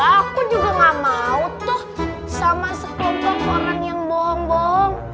aku juga gak mau tuh sama sekelompok orang yang bohong bohong